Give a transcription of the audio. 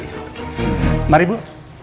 bapak mau ikut